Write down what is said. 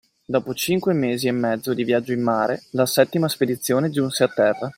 Dopo cinque mesi e mezzo di viaggio in mare, la settima spedizione giunse a terra.